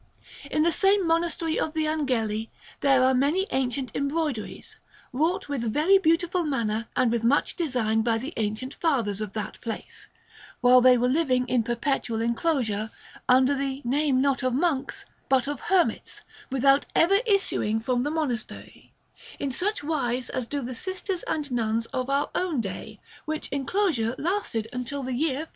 In the same Monastery of the Angeli there are many ancient embroideries, wrought with very beautiful manner and with much design by the ancient fathers of that place, while they were living in perpetual enclosure under the name not of monks but of hermits, without ever issuing from the monastery, in such wise as do the sisters and nuns of our own day; which enclosure lasted until the year 1470.